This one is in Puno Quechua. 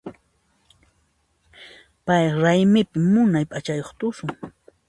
Pay raymipi munay p'achayuq tusun.